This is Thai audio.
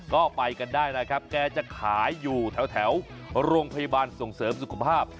ก็ไปกันได้นะครับแกจะขายอยู่แถวโรงพยาบาลส่งเสริมสุขภาพ